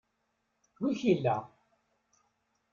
Wi k-illa?